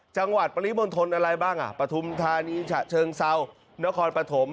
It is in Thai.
จังหวัดปริมณฑลอะไรบ้างประธุมธานีชะเชิงเซานครปฐม